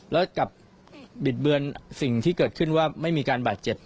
แล้วกลับบิดเบือนสิ่งที่เกิดขึ้นว่าไม่มีการบาดเจ็บ